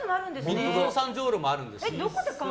ミニゾウさんジョウロもあるんです。